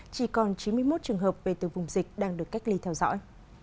chỉ còn chín mươi một trường hợp về từ vùng dịch đang được cách ly theo dõi